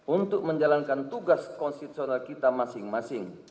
untuk menjalankan tugas konstitusional kita masing masing